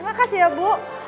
makasih ya bu